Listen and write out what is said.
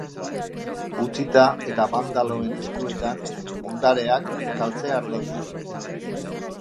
Utzita eta bandaloen eskuetan, ondareak galtzear daude.